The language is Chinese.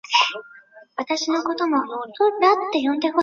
信徒甚至被禁止向他人透露自己的工作内容。